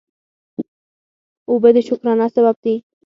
اوبه د شکرانه سبب دي.